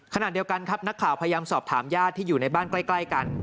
ขณะเดียวกันครับนักข่าวพยายามสอบถามญาติที่อยู่ในบ้านใกล้กัน